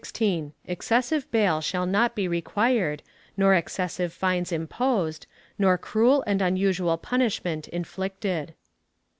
Excessive bail shall not be required, nor excessive fines imposed, nor cruel and unusual punishment inflicted.